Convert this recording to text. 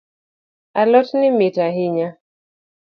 Alotni mit hainya.